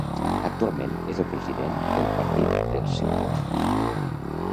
Actualment és el president del Partit dels Ciutadans.